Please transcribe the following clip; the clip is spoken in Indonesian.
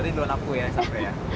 berarti dulu naku ya sampai ya